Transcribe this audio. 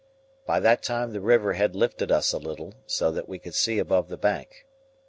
By that time the river had lifted us a little, so that we could see above the bank.